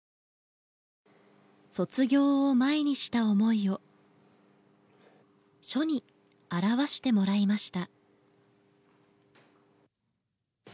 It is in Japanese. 卒業を前にした思いを書に表してもらいました。